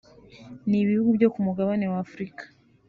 n’ibihugu byo ku mugabane w’Afurika